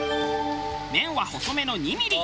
麺は細めの２ミリ。